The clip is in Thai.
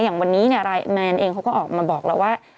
อย่างวันนี้แมนเองเขาก็ออกมาบอกแล้วว่า